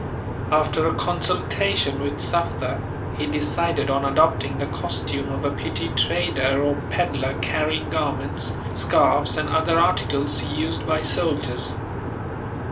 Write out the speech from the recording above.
After a consultation with Sufder, he decided on adopting the costume of a petty trader or pedlar carrying garments, scarfs, and other articles used by soldiers.